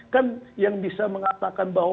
kan yang bisa mengatakan bahwa